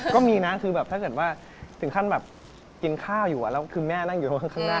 ก็มีนะถ้าเกิดถึงขั้นกินข้าวอยู่แล้วคือแม่นั่งอยู่ข้างหน้า